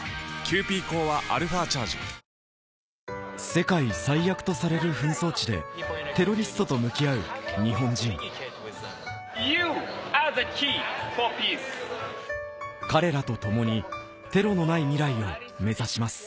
世界最悪とされる紛争地でテロリストと向き合う日本人彼らと共にテロのない未来を目指します